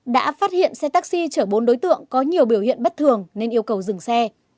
đã phát hiện xe taxi chở bốn đối tượng có nhiều biểu hiện bất thường nên yêu cầu dừng xe